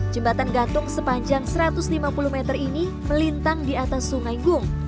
jembatan gantung sepanjang satu ratus lima puluh meter ini melintang di atas sungai gung